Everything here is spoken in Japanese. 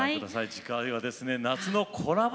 次回はですね夏のコラボ